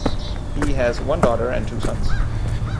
He has one daughter and two sons.